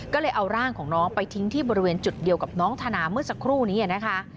ก็เลยเอาร่างของน้องไปทิ้งที่บริเวณจุดเดียวกับน้องธนาเมื่อสักครู่นี้นะคะ